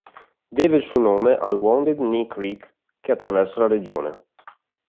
Deve il suo nome al Wounded Knee Creek che attraversa la regione.